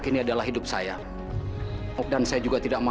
kau bercanda deh